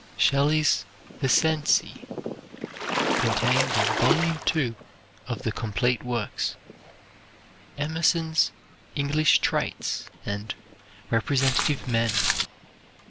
Shelley's "The Cenci" (contained in volume two of the complete works). Emerson's "English Traits," and "Representative Men."